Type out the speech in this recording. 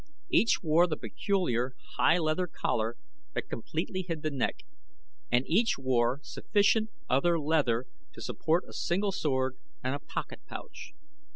Each wore the peculiar, high leather collar that completely hid the neck, and each wore sufficient other leather to support a single sword and a pocket pouch.